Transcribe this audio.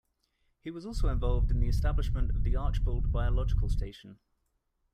He was also involved in the establishment of the Archbold Biological Station.